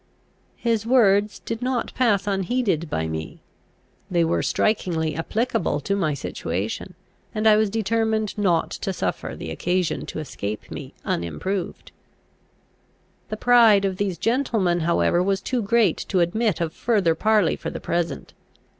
His words did not pass unheeded by me. They were strikingly applicable to my situation, and I was determined not to suffer the occasion to escape me unimproved. The pride of these gentlemen however was too great to admit of further parley for the present.